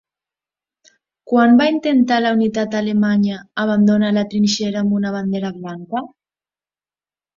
Quan va intentar la unitat alemanya abandonar la trinxera amb una bandera blanca?